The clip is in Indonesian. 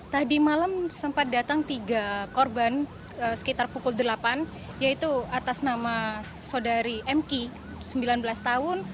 tadi malam sempat datang tiga korban sekitar pukul delapan yaitu atas nama saudari mki sembilan belas tahun